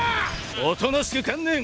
おとなしく観念！